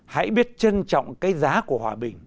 hãy biết trân trọng cái giá của hòa bình